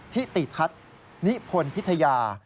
ที่ติดทัศนิพพลพิธยา